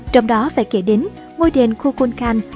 trong đó phải kể đến ngôi đền kukulkan